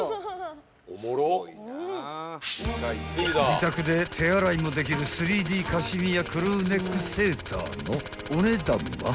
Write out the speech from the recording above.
［自宅で手洗いもできる３Ｄカシミヤクルーネックセーターのお値段は］